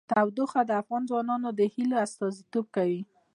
تودوخه د افغان ځوانانو د هیلو استازیتوب کوي.